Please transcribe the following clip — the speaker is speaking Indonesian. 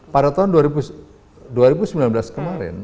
pada tahun dua ribu sembilan belas kemarin